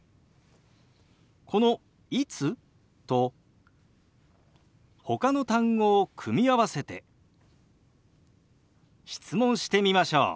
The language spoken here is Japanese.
この「いつ？」とほかの単語を組み合わせて質問してみましょう。